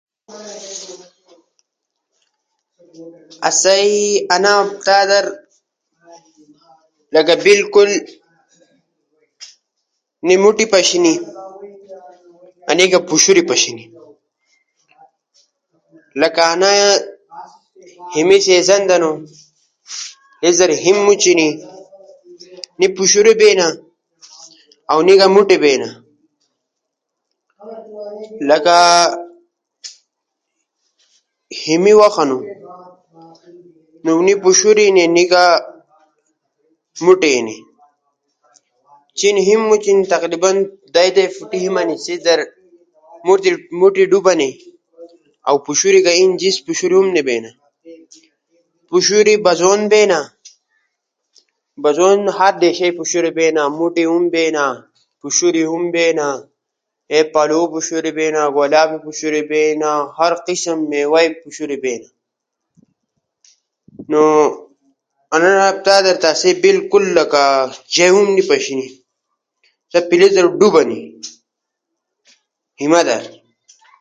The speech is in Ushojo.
آسئی انا ہفتہ در لکہ بالکل نی موٹی پشینی اؤ نی گا پشورے پشینی۔ لکہ انا لھونے ہیمو موسم ہنو۔ ہیم موچینی نو نی موٹی اینی اؤ نی گا پشورے بینا۔ لکہ ہیمے وخ ہنو، ہیم موچینی ہر جا در ہیم ہنی نو نی پشورے اینی اؤ نی گا موٹی اینی۔ چین ہیم موچینی تقریباً دئی دئی فٹے ہیم ہنی سیس در موٹی ڈوب ہنی۔ اؤ پشورے کئی ہم جیس پشورے نی بئینا۔ پشورے تا بجون بینا، بجونو در ہر دیشا پشورے بینا۔ موٹی ہم بینا، پشورے ہم رونگا رونگ بینا، پلو پشورے بینا، گلابے پشورے بینا، ہر قسم میوا ئے پشورے ہم بینا۔ نو انا ہفتہ در تا آسو بالک دا جے شیئی ہم نی پشینی۔ ہر جا ہیما در ڈوب ہنی۔ شیدل موسما در اسئی علاقہ در صرف سمنگولے پشورے ہنی، نرگس پشورے ہنی۔ ہور جے پشورے ہم نی ہنی۔ جے ہنی سی ہیما در ڈوب ہنی۔ کدا بجون شروع بینو نو ہر دیشا کئی تازا شیشو پشورے نکھائینا، سی لالو مزا تھینا، اسئی علاقہ جنت نظارا بینا۔